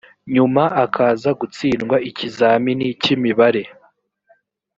nyuma akaza gutsindwa ikizamini cy’imibare